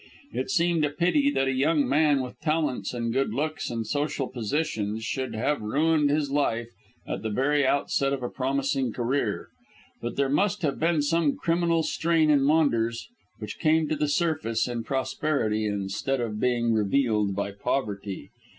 It seemed a pity that a young man with talents and good looks and social position should have ruined his life at the very outset of a promising career. But there must have been some criminal strain in Maunders, which came to the surface in prosperity instead of being revealed by poverty.